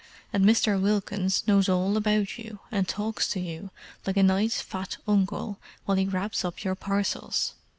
And Mr. Wilkins knows all about you, and talks to you like a nice fat uncle while he wraps up your parcels.